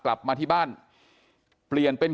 กลุ่มตัวเชียงใหม่